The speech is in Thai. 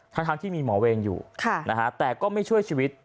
ทั้งทั้งที่มีหมอเวงอยู่ค่ะนะฮะแต่ก็ไม่ช่วยชีวิต